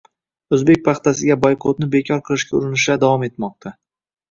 O'zbek paxtasiga boykotni bekor qilishga urinishlar davom etmoqda